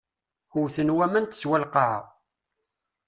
Wten waman teswa lqaɛa.